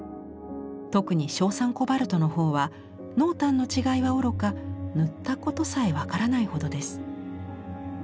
特に硝酸コバルトのほうは濃淡の違いはおろか塗ったことさえ分からないほどです。